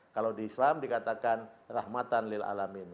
kalau di islam dikatakan rahmatan lil'alamin